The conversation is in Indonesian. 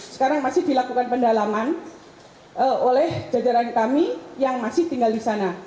sekarang masih dilakukan pendalaman oleh jajaran kami yang masih tinggal di sana